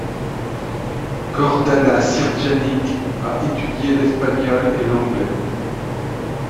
Gordana Ćirjanić a étudié l'espagnol et l'anglais.